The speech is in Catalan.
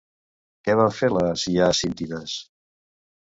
Què van fer les Hiacíntides?